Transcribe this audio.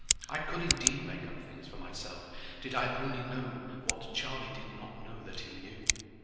I could indeed make up things for myself did I only know what Charlie did not know that he knew.